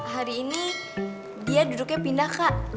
hari ini dia duduknya pindah kak